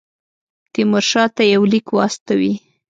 تیمورشاه ته یو لیک واستوي.